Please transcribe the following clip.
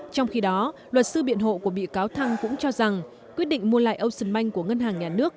trong khi đó luật sư biện hộ của bị cáo thăng cũng cho rằng quyết định mua lại ocean bank của ngân hàng nhà nước